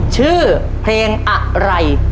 ชื่อเพลงอะไร